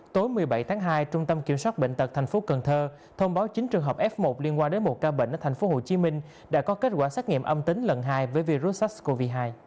tối một mươi bảy tháng hai trung tâm kiểm soát bệnh tật thành phố cần thơ thông báo chín trường hợp f một liên quan đến một ca bệnh ở thành phố hồ chí minh đã có kết quả xét nghiệm âm tính lần hai với virus sars cov hai